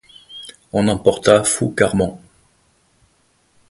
On emporta Foucarmont.